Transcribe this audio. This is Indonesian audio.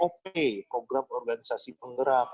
oke program organisasi penggerak